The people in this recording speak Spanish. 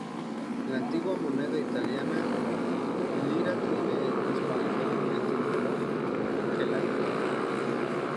La antigua moneda italiana "lira" tiene el mismo origen etimológico que la libra.